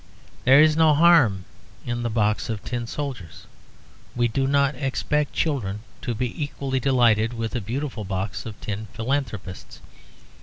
There is no harm in the box of tin soldiers; we do not expect children to be equally delighted with a beautiful box of tin philanthropists.